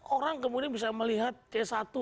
orang kemudian bisa melihat c satu